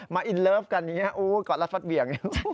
มาอินเลิฟกันอย่างนี้ก่อนละพัดเบี่ยง